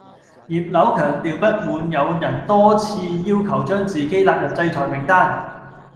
葉劉強調不滿有人多次要求將自己納入制裁名單